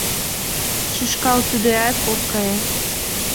Шӱшкалтыдеат ок кае;